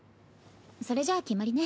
それじゃあ決まりね。